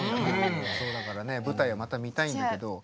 だからね舞台をまた見たいんだけど。